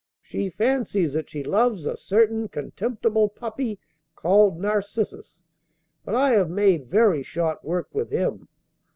She fancies that she loves a certain contemptible puppy called Narcissus; but I have made very short work with him.